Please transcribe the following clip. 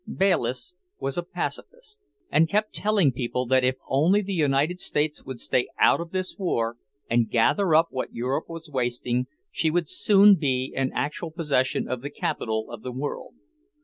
Bayliss was a Pacifist, and kept telling people that if only the United States would stay out of this war, and gather up what Europe was wasting, she would soon be in actual possession of the capital of the world.